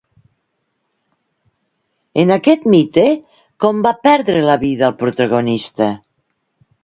En aquest mite, com va perdre la vida el protagonista?